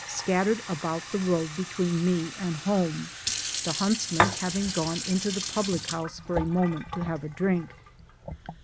scattered about the road between me and home the huntsmen having gone into the public house for a moment to have a drink.